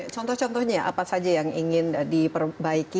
contoh contohnya apa saja yang ingin diperbaiki